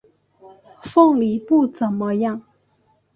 凤梨不怎么样